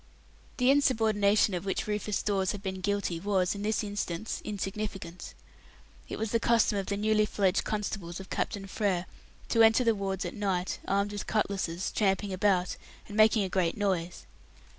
The insubordination of which Rufus Dawes had been guilty was, in this instance, insignificant. It was the custom of the newly fledged constables of Captain Frere to enter the wards at night, armed with cutlasses, tramping about, and making a great noise.